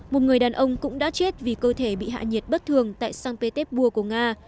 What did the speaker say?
một người đàn ông cũng đã chết vì cơ thể bị hạ nhiệt bất thường tại sampetepur của nga